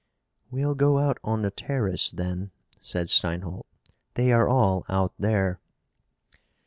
"We'll go out on the terrace then," said Steinholt. "They are all out there."